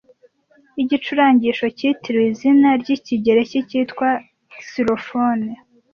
Igicurarangisho cyitiriwe izina ryikigereki cyitwa Xylophone